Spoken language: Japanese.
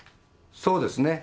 そうですね。